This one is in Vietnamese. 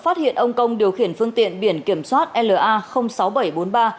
phát hiện ông công điều khiển phương tiện biển kiểm soát la sáu nghìn bảy trăm bốn mươi ba